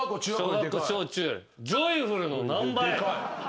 ジョイフルの何倍？